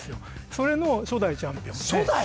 それの初代チャンピオンで初代！